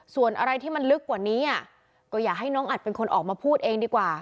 ส่วนอะไรที่มันลึกกว่านี้ก็อยากให้น้องอัดเป็นคนออกมาพูดเองดีกว่า